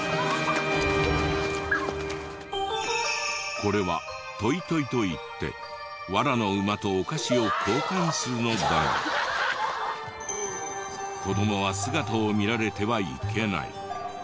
これはトイトイといってワラの馬とお菓子を交換するのだが子どもは姿を見られてはいけない。